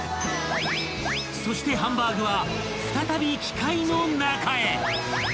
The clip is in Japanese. ［そしてハンバーグは再び機械の中へ］